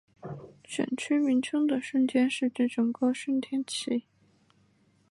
选区名称的顺天是指整个顺天邨。